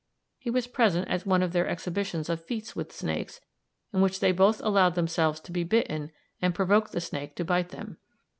He was present at one of their exhibitions of feats with snakes in which they both allowed themselves to be bitten and provoked the snake to bite them.